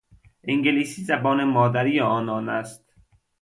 انگلیسی زبان مادری آنان است.